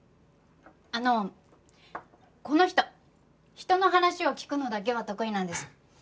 あのこの人人の話を聞くのだけは得意なんです。